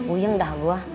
uya ntar gua